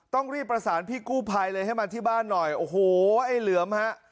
ต้องรีบประสานพี่กู้ภัยเลยให้มาที่บ้านหน่อยโอ้โหไอ้เหลือมฮะ